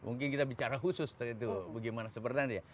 mungkin kita bicara khusus itu bagaimana sebenarnya